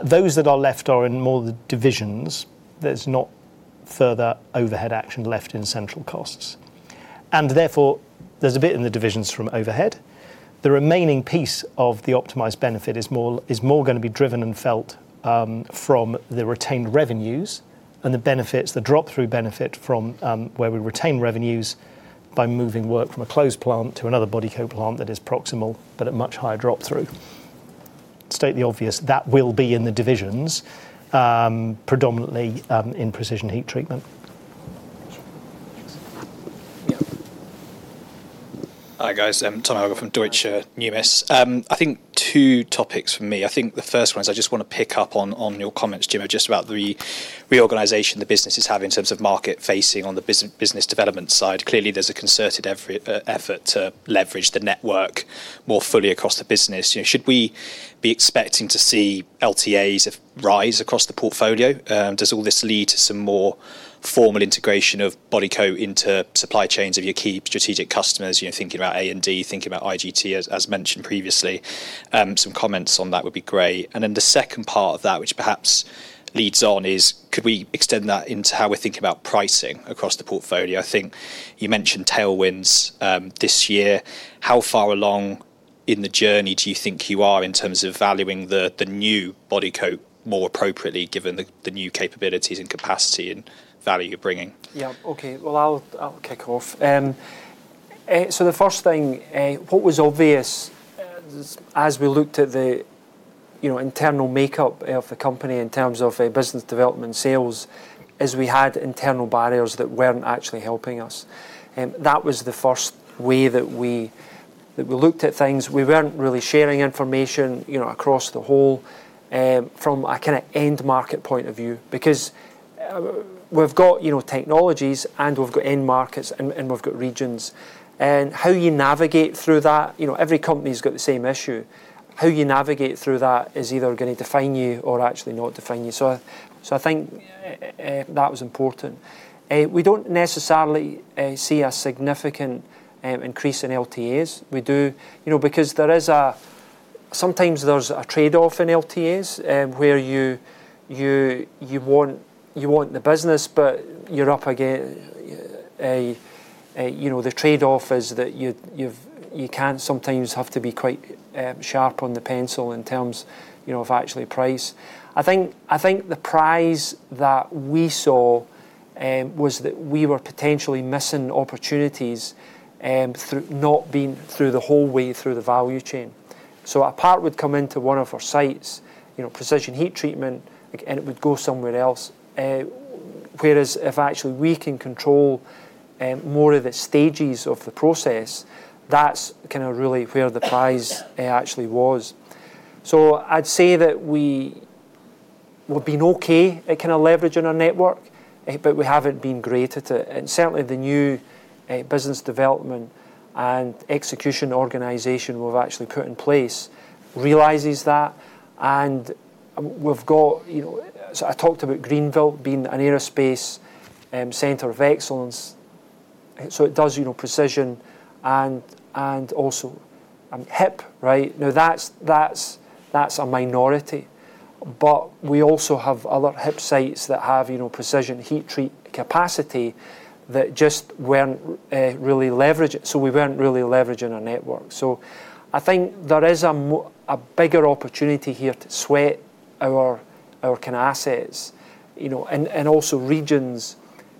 Those that are left are in more the divisions. There's not further overhead action left in central costs. Therefore, there's a bit in the divisions from overhead. The remaining piece of the Optimised benefit is more gonna be driven and felt from the retained revenues and the benefits, the drop-through benefit from where we retain revenues by moving work from a closed plant to another Bodycote plant that is proximal but at much higher drop-through. To state the obvious, that will be in the divisions predominantly in precision heat treatment. Yeah. Hi, guys. I'm Tom Jacob from Deutsche Numis. I think two topics for me. I think the first one is I just wanna pick up on your comments, Jim, just about the reorganization the business is having in terms of market facing on the business development side. Clearly, there's a concerted effort to leverage the network more fully across the business. You know, should we be expecting to see LTAs rise across the portfolio? Does all this lead to some more formal integration of Bodycote into supply chains of your key strategic customers? You know, thinking about A&D, thinking about IGT as mentioned previously. Some comments on that would be great. The second part of that, which perhaps leads on, is could we extend that into how we're thinking about pricing across the portfolio? I think you mentioned tailwinds this year. How far along in the journey do you think you are in terms of valuing the new Bodycote more appropriately given the new capabilities and capacity and value you're bringing? Yeah. Okay. Well, I'll kick off. So the first thing, what was obvious as we looked at the, you know, internal makeup of the company in terms of business development sales is we had internal barriers that weren't actually helping us. That was the first way that we looked at things. We weren't really sharing information, you know, across the whole, from a kind of end market point of view, because we've got, you know, technologies and we've got end markets and we've got regions. How you navigate through that, you know, every company's got the same issue. How you navigate through that is either gonna define you or actually not define you. I think that was important. We don't necessarily see a significant increase in LTAs. You know, because there is sometimes a trade-off in LTAs, where you want the business, but you're up against, you know, the trade-off is that you can sometimes have to be quite sharp on the pencil in terms, you know, of actually price. I think the price that we saw was that we were potentially missing opportunities through not being through the whole way through the value chain. A part would come into one of our sites, you know, precision heat treatment, and it would go somewhere else. Whereas if actually we can control more of the stages of the process, that's kind of really where the price actually was. I'd say that we've been okay at kind of leveraging our network, but we haven't been great at it. Certainly, the new business development and execution organization we've actually put in place realizes that. We've got you know I talked about Greenville being an aerospace center of excellence, so it does you know precision and also HIP, right? Now, that's a minority. We also have other HIP sites that have you know precision heat treat capacity that just weren't really leveraged. We weren't really leveraging our network. I think there is a bigger opportunity here to sweat our our kind of assets you know and also regions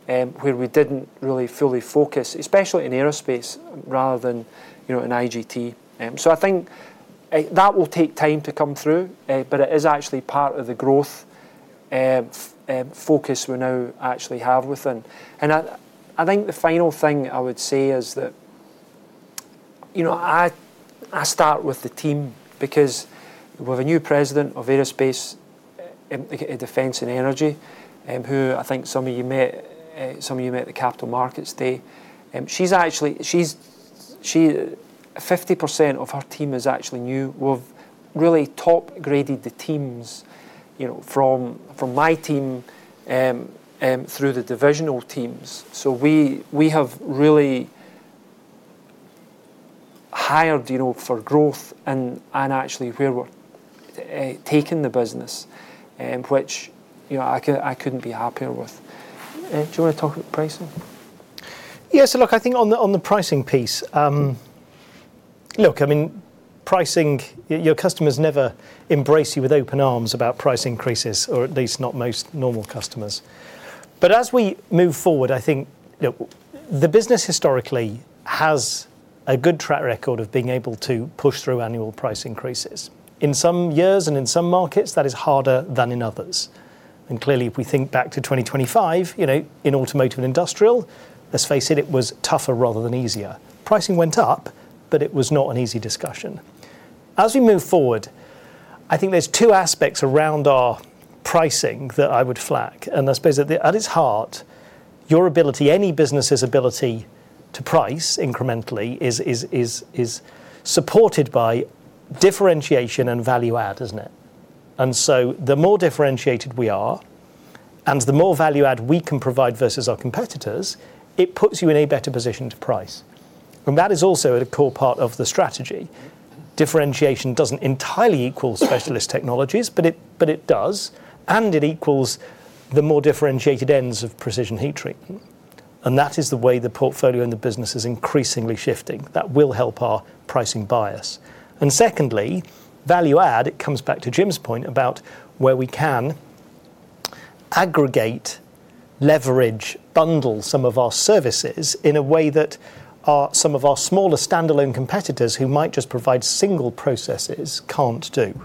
where we didn't really fully focus, especially in aerospace rather than you know in IGT. I think that will take time to come through, but it is actually part of the growth focus we now actually have within. I think the final thing I would say is that, you know, I start with the team because with a new President of Aerospace, Defense and Energy, who I think some of you met at the Capital Markets Day. She's actually 50% of her team is actually new. We've really top-graded the teams, you know, from my team through the divisional teams. We have really hired, you know, for growth and actually where we're taking the business, which, you know, I couldn't be happier with. Do you wanna talk about pricing? Yes. Look, I think on the pricing piece, look, I mean, pricing, your customers never embrace you with open arms about price increases, or at least not most normal customers. As we move forward, I think, you know, the business historically has a good track record of being able to push through annual price increases. In some years and in some markets, that is harder than in others. Clearly, if we think back to 2025, you know, in automotive and industrial, let's face it was tougher rather than easier. Pricing went up, but it was not an easy discussion. As we move forward, I think there's two aspects around our pricing that I would flag. I suppose at its heart, your ability, any business's ability to price incrementally is supported by differentiation and value add, isn't it? The more differentiated we are, and the more value add we can provide versus our competitors, it puts you in a better position to price. That is also a core part of the strategy. Differentiation doesn't entirely equal specialist technologies, but it does, and it equals the more differentiated ends of precision heat treatment. That is the way the portfolio and the business is increasingly shifting. That will help our pricing bias. Secondly, value add, it comes back to Jim's point about where we can aggregate, leverage, bundle some of our services in a way that some of our smaller standalone competitors who might just provide single processes can't do.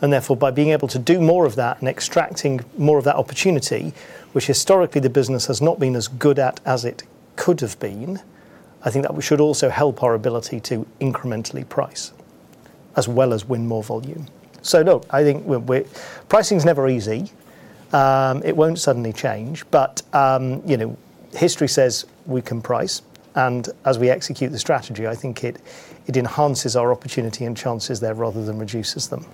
Therefore, by being able to do more of that and extracting more of that opportunity, which historically the business has not been as good at as it could have been, I think that we should also help our ability to incrementally price as well as win more volume. Look, I think pricing is never easy. It won't suddenly change, but, you know, history says we can price, and as we execute the strategy, I think it enhances our opportunity and chances there rather than reduces them.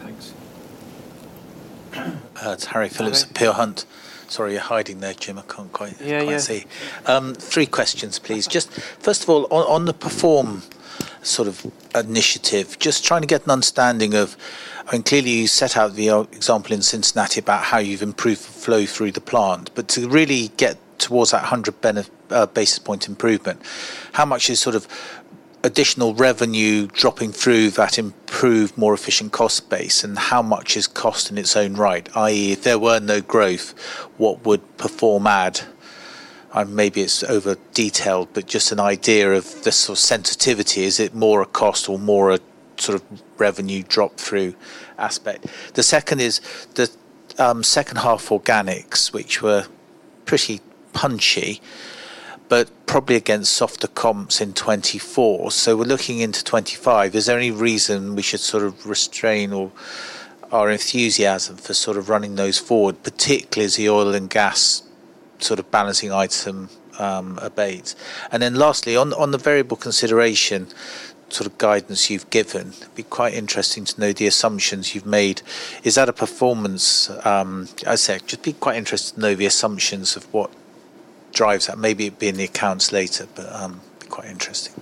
Thanks. It's Harry Philips at Peel Hunt. Sorry, you're hiding there, Jim. I can't quite see. Yeah, yeah. Three questions, please. Just first of all, on the Perform sort of initiative, just trying to get an understanding of, and clearly, you set out the example in Cincinnati about how you've improved flow through the plant. To really get towards that 100 basis point improvement, how much is sort of additional revenue dropping through that improved, more efficient cost base, and how much is cost in its own right, i.e., if there were no growth, what would Perform add? Maybe it's over detailed, but just an idea of the sort of sensitivity. Is it more a cost or more a sort of revenue drop-through aspect? The second is the second half organics, which were pretty punchy, but probably against softer comps in 2024. We're looking into 2025. Is there any reason we should sort of restrain our enthusiasm for sort of running those forward, particularly as the oil and gas sort of balancing item abates? Lastly, on the variable consideration sort of guidance you've given, it'd be quite interesting to know the assumptions you've made. Is that a performance? It'd just be quite interesting to know the assumptions of what drives that. Maybe it'd be in the accounts later, but quite interesting.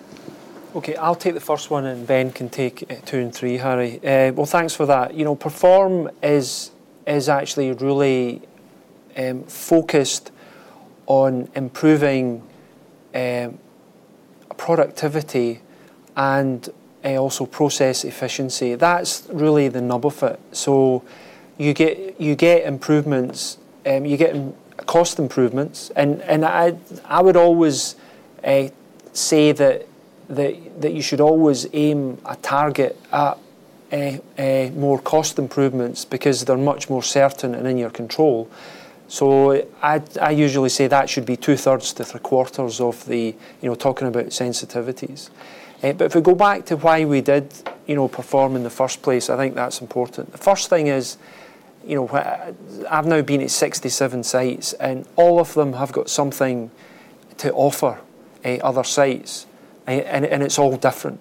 Okay, I'll take the first one, and Ben can take two and three, Harry. Well, thanks for that. You know, Perform is actually really focused on improving productivity and also process efficiency. That's really the nub of it. So you get improvements. You get cost improvements, and I would always say that you should always aim a target at more cost improvements because they're much more certain and in your control. So I usually say that should be 2/3 to three-quarters of the, you know, talking about sensitivities. But if we go back to why we did, you know, Perform in the first place, I think that's important. The first thing is, you know, I've now been at 67 sites, and all of them have got something to offer other sites, and it's all different.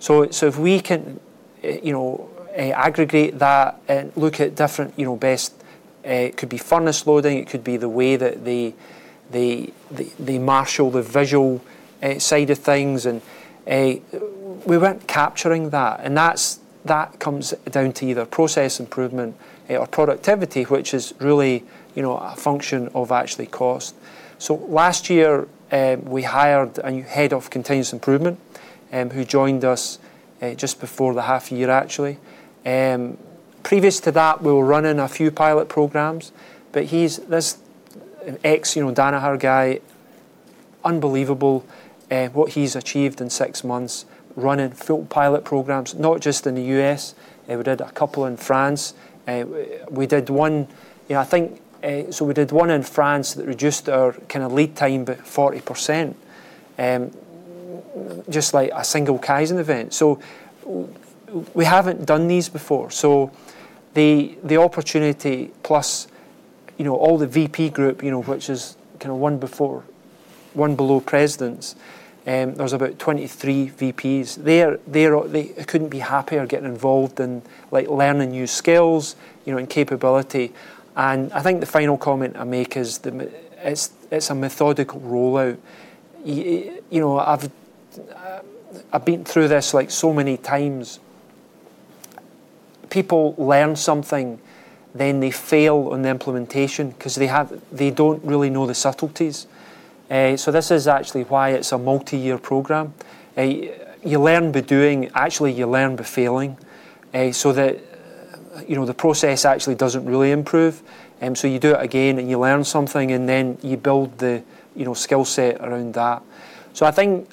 If we can, you know, aggregate that and look at different, you know, best could be furnace loading, it could be the way that they marshal the visual side of things, and we weren't capturing that. That comes down to either process improvement or productivity, which is really, you know, a function of actual cost. Last year, we hired a new head of continuous improvement, who joined us just before the half year actually. Previous to that, we were running a few pilot programs, but he's this ex, you know, Danaher guy. Unbelievable, what he's achieved in six months running full pilot programs, not just in the U.S. We did a couple in France. We did one. Yeah, I think, so we did one in France that reduced our kinda lead time by 40%, just like a single Kaizen event. We haven't done these before. The opportunity plus, you know, all the VP group, you know, which is kinda one below presidents, there was about 23 VPs. They're all. They couldn't be happier getting involved and, like, learning new skills, you know, and capability. I think the final comment I make is it's a methodical rollout. You know, I've been through this, like, so many times. People learn something, then they fail on the implementation 'cause they don't really know the subtleties. This is actually why it's a multi-year program. You learn by doing. Actually, you learn by failing, so that, you know, the process actually doesn't really improve. You do it again, and you learn something, and then you build the, you know, skill set around that. I think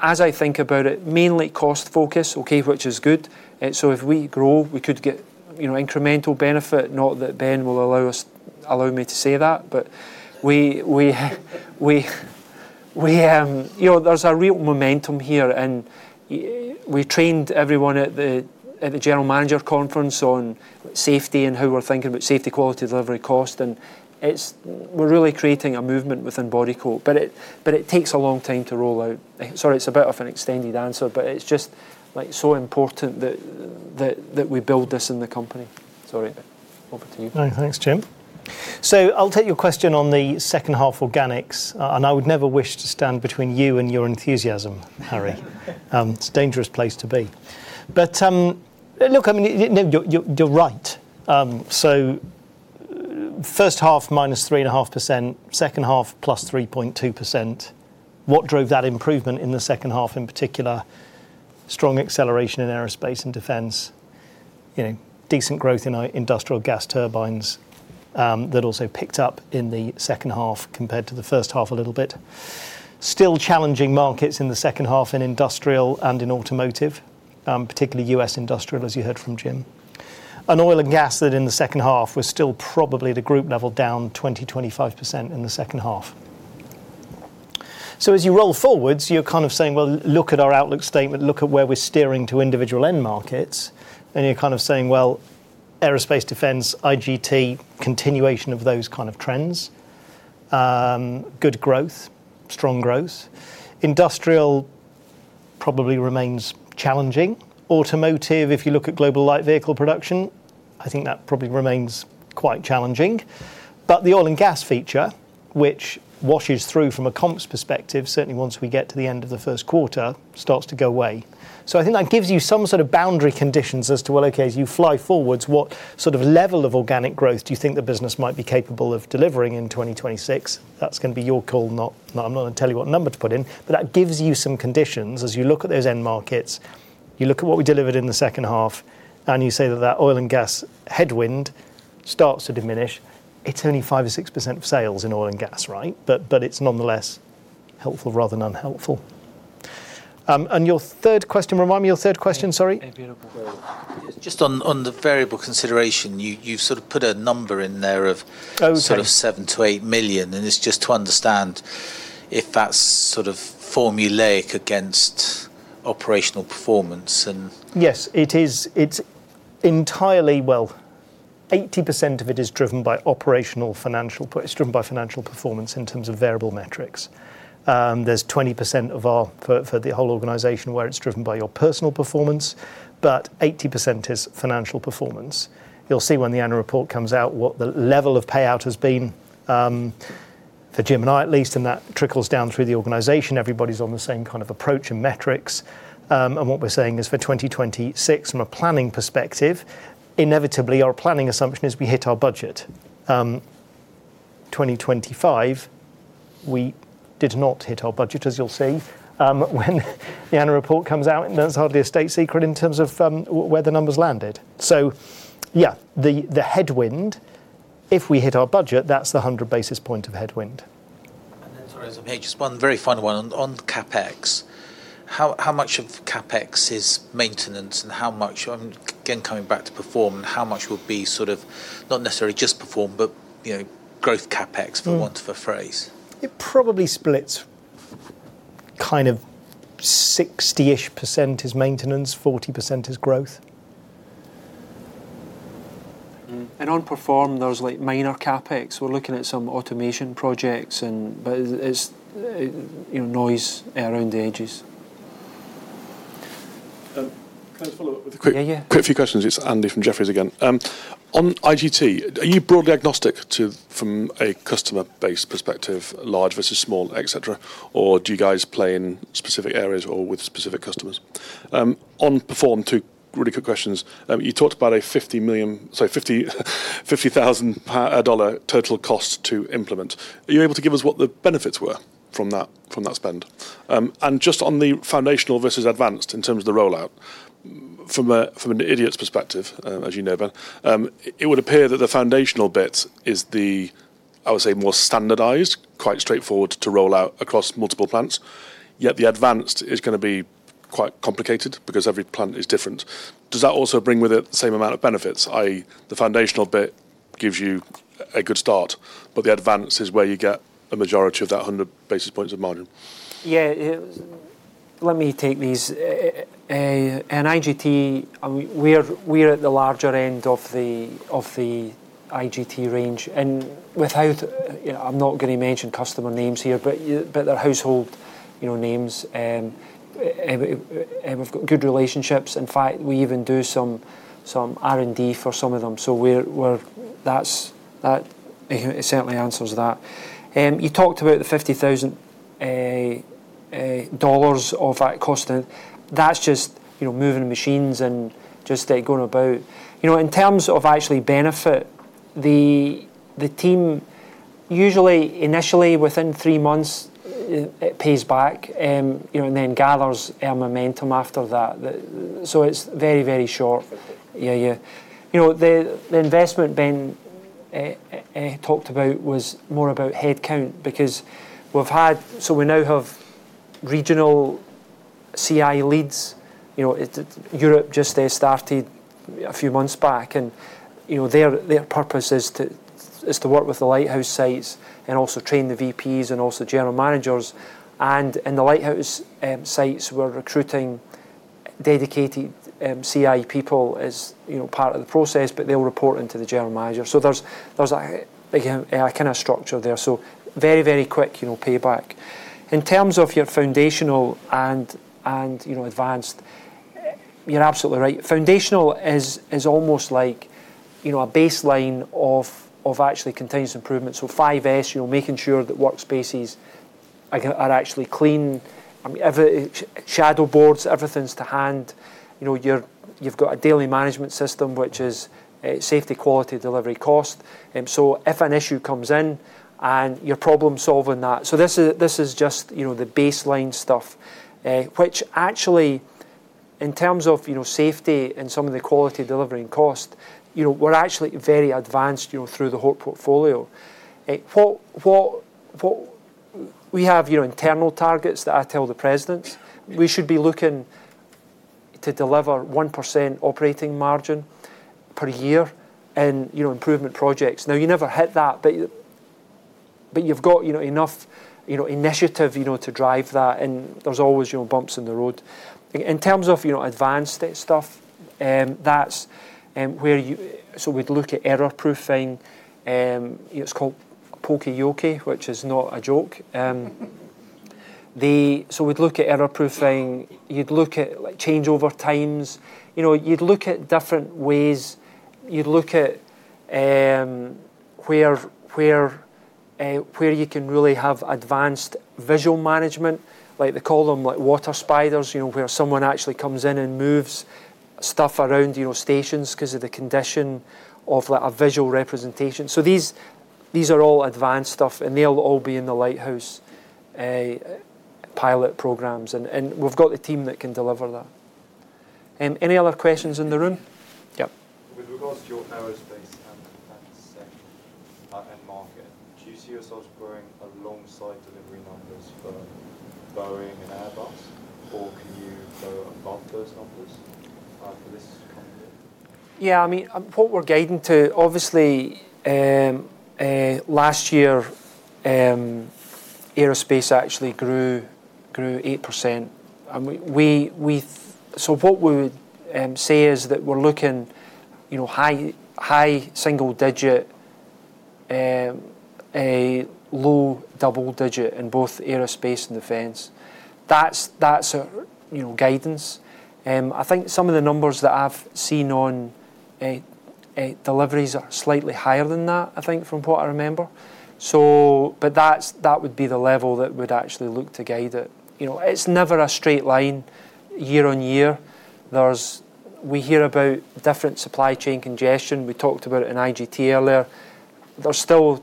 as I think about it, mainly cost focus, okay, which is good. If we grow, we could get, you know, incremental benefit, not that Ben will allow me to say that. We, you know, there's a real momentum here, and we trained everyone at the general manager conference on safety and how we're thinking about safety, quality, delivery, cost, and we're really creating a movement within Bodycote. It takes a long time to roll out. Sorry, it's a bit of an extended answer, but it's just, like, so important that we build this in the company. Sorry. Over to you. No, thanks, Jim. I'll take your question on the second half organics, and I would never wish to stand between you and your enthusiasm, Harry. It's a dangerous place to be. Look, I mean, you're right. First half, -3.5%. Second half, +3.2%. What drove that improvement in the second half in particular? Strong acceleration in Aerospace & Defense. You know, decent growth in our industrial gas turbines, that also picked up in the second half compared to the first half a little bit. Still challenging markets in the second half in industrial and in automotive, particularly U.S. industrial, as you heard from Jim. Oil and gas, that in the second half, was still probably the group level down 20%-25% in the second half. As you roll forwards, you're kind of saying, well, look at our outlook statement, look at where we're steering to individual end markets, and you're kind of saying, well, aerospace, defense, IGT, continuation of those kind of trends. Good growth. Strong growth. Industrial probably remains challenging. Automotive, if you look at global light vehicle production, I think that probably remains quite challenging. The oil and gas feature, which washes through from a comps perspective, certainly once we get to the end of the first quarter, starts to go away. I think that gives you some sort of boundary conditions as to, well, okay, as you fly forwards, what sort of level of organic growth do you think the business might be capable of delivering in 2026. That's gonna be your call. I'm not gonna tell you what number to put in. That gives you some conditions as you look at those end markets. You look at what we delivered in the second half, and you say that oil and gas headwind starts to diminish. It's only 5% or 6% of sales in oil and gas, right? It's nonetheless helpful rather than unhelpful. Your third question, remind me your third question, sorry. Just on the variable consideration, you've sort of put a number in there of Okay. sort of 7 million-8 million, and it's just to understand if that's sort of formulaic against operational performance. Yes, it is. It's entirely. Well, 80% of it is driven by financial performance in terms of variable metrics. There's 20% of ours for the whole organization where it's driven by your personal performance, but 80% is financial performance. You'll see when the annual report comes out what the level of payout has been, for Jim and I at least, and that trickles down through the organization. Everybody's on the same kind of approach and metrics. What we're saying is for 2026 from a planning perspective, inevitably our planning assumption is we hit our budget. 2025, we did not hit our budget, as you'll see, when the annual report comes out, and that's hardly a state secret in terms of where the numbers landed. Yeah, the headwind, if we hit our budget, that's the 100 basis point of headwind. Sorry, just one very final one. On CapEx, how much of CapEx is maintenance and how much, again, coming back to Perform, how much would be sort of not necessarily just Perform, but you know, growth CapEx for want of a phrase? It probably splits kind of 60-ish% is maintenance, 40% is growth. On Perform, there's like minor CapEx. We're looking at some automation projects, but it's, you know, noise around the edges. Can I just follow up with a quick? Yeah, yeah. Quick few questions? It's Andy from Jefferies again. On IGT, are you broadly agnostic to, from a customer base perspective, large versus small, et cetera? Or do you guys play in specific areas or with specific customers? On Perform, two really quick questions. You talked about a $50,000 total cost to implement. Are you able to give us what the benefits were from that spend? Just on the foundational versus advanced in terms of the rollout, from an idiot's perspective, as you know, Ben, it would appear that the foundational bit is, I would say, more standardized, quite straightforward to roll out across multiple plants, yet the advanced is gonna be quite complicated because every plant is different. Does that also bring with it the same amount of benefits? i.e., the foundational bit gives you a good start, but the advanced is where you get a majority of that 100 basis points of margin. Yeah. It was. Let me take these. In IGT, I mean, we're at the larger end of the IGT range. Without you know, I'm not gonna mention customer names here, but they're household, you know, names. We've got good relationships. In fact, we even do some R&D for some of them. We're. That certainly answers that. You talked about the $50,000 of that cost. That's just, you know, moving machines and just it going about. You know, in terms of actual benefit, the team usually initially within three months, it pays back, you know, and then gathers momentum after that. It's very short. $50,000. Yeah, yeah. You know, the investment Ben talked about was more about headcount because we've had. We now have regional CI leads. You know, Europe just, they started a few months back and, you know, their purpose is to work with the lighthouse sites and also train the VPs and also general managers. In the lighthouse sites, we're recruiting dedicated CI people as, you know, part of the process, but they'll report into the general manager. There's again a kinda structure there. Very, very quick, you know, payback. In terms of your foundational and advanced, you're absolutely right. Foundational is almost like, you know, a baseline of actually continuous improvement. 5S, you know, making sure that workspaces are actually clean. I mean, every shadow boards, everything's to hand. You know, you've got a daily management system, which is safety, quality, delivery, cost. So if an issue comes in and you're problem-solving that. This is just, you know, the baseline stuff, which actually in terms of, you know, safety and some of the quality, delivery and cost, you know, we're actually very advanced, you know, through the whole portfolio. We have, you know, internal targets that I tell the presidents. We should be looking to deliver 1% operating margin per year in, you know, improvement projects. Now, you never hit that, but you've got, you know, enough, you know, initiative, you know, to drive that and there's always, you know, bumps in the road. In terms of, you know, advanced stuff, that's where you. We'd look at error proofing. It's called Poka-Yoke, which is not a joke. We'd look at error proofing. You'd look at like changeover times. You know, you'd look at different ways. You'd look at where you can really have advanced visual management. Like they call them like water spiders, you know, where someone actually comes in and moves stuff around, you know, stations because of the condition of like a visual representation. These are all advanced stuff, and they'll all be in the Lighthouse pilot programs. We've got the team that can deliver that. Any other questions in the room? Yep. With regards to your Aerospace & Defense sector, end market, do you see yourselves growing alongside delivery numbers for Boeing and Airbus, or can you grow above those numbers, for this coming year? Yeah, I mean, what we're guiding to, obviously, last year, aerospace actually grew 8%, and so what we would say is that we're looking, you know, high single digit, low double digit in both Aerospace & Defense. That's our, you know, guidance. I think some of the numbers that I've seen on deliveries are slightly higher than that, I think, from what I remember. But that would be the level that we'd actually look to guide it. You know, it's never a straight line year-on-year. We hear about different supply chain congestion. We talked about it in IGT earlier. There's still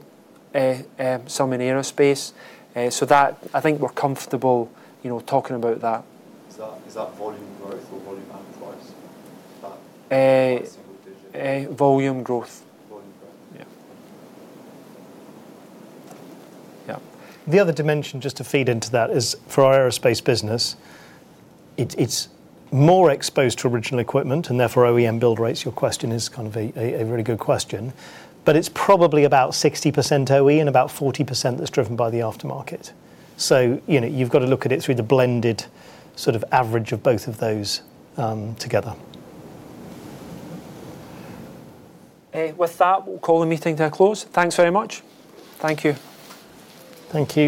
some in aerospace. That I think we're comfortable, you know, talking about that. Is that volume growth or volume and price? Uh- that single digit. Volume growth. Volume growth. Yeah. Yeah. The other dimension, just to feed into that, is for our aerospace business, it's more exposed to original equipment and therefore OEM build rates. Your question is kind of a very good question. It's probably about 60% OE and about 40% that's driven by the aftermarket. You know, you've got to look at it through the blended sort of average of both of those, together. With that, we'll call the meeting to a close. Thanks very much. Thank you. Thank you.